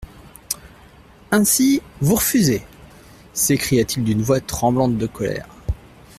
Ainsi, vous refusez ? s'écria-t-il d'une voix tremblante de colère.